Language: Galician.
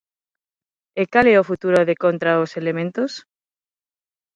E cal é o futuro de "Contra os elementos"?